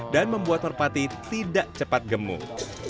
membuat merpati tidak cepat gemuk